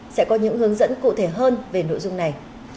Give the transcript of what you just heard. sẽ có những hướng dẫn cụ thể hơn về nội dung này